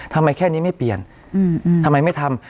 แค่นี้ไม่เปลี่ยนทำไมไม่ทำ